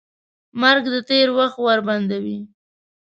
مرګ د تېر وخت ور بندوي.